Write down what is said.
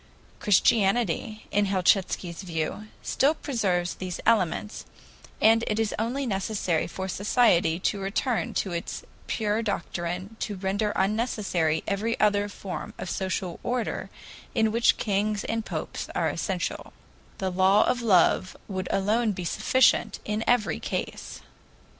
Christianity, in Helchitsky's view, still preserves these elements, and it is only necessary for society to return to its pure doctrine to render unnecessary every other form of social order in which kings and popes are essential; the law of love would alone be sufficient in every case.